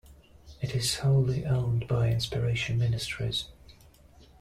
It is wholly owned by Inspiration Ministries.